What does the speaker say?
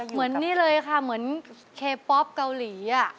เหมือนนี่เลยค่ะเหมือนเคป๊อปเกาหลี